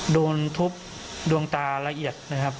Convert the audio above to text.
โดนทุบดวงตาละเอียดนะครับ